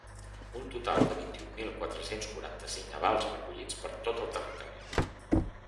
Un total de vint-i-un mil quatre-cents quaranta-cinc avals recollits per tot el territori.